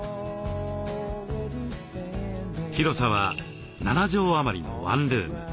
広さは７畳余りのワンルーム。